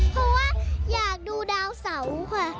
เพราะว่าอยากดูดาวเสาค่ะ